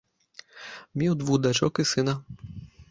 Меў двух дачок і сына.